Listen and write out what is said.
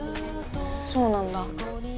そうなんだ。